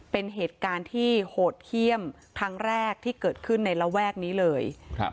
เป็นเหตุการณ์ที่โหดเยี่ยมครั้งแรกที่เกิดขึ้นในระแวกนี้เลยครับ